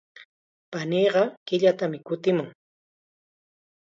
Paniiqa killatam kutimun.